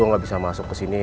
dan gue gak bisa masuk ke sini